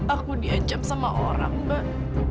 aku diancam sama orang mbak